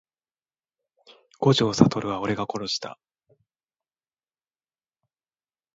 五条悟は俺が殺した…